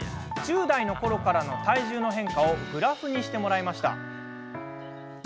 １０代のころからの体重の変化をグラフにしてもらいました。